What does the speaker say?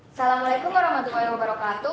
assalamualaikum warahmatullahi wabarakatuh